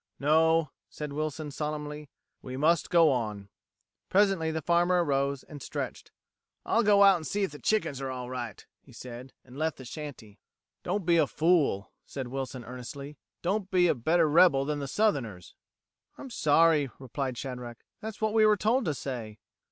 "No," said Wilson solemnly, "we must go on." Presently the farmer arose and stretched, "I'll go out an' see if the chickens are all right," he said, and left the shanty. "Don't be a fool," said Wilson earnestly, "Don't be a better rebel than the Southerners." "I'm sorry," replied Shadrack. "That's what we were told to say...."